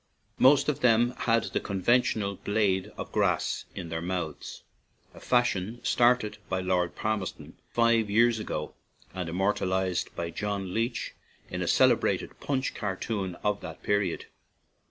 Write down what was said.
Most of them had the con ventional blade of grass in their mouths, a fashion started by Lord Palmerston fifty years ago and immortalized by John Leech in a celebrated Punch cartoon of the period.